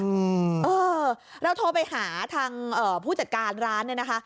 อือแล้วโทรไปหาทางผู้จัดการร้านเนี่ยนะคะ